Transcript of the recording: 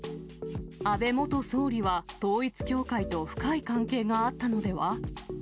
安倍元総理は統一教会と深い関係があったのでは？